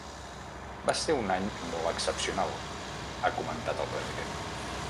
“Va ser un any molt excepcional”, ha comentat el president.